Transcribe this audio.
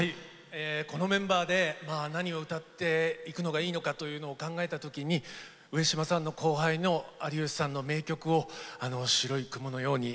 このメンバーで何を歌っていくのがいいのかというのを考えた時に上島さんの後輩の有吉さんの名曲を「白い雲のように」